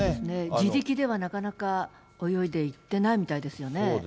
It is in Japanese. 自力ではなかなか泳いでいってないみたいですよね。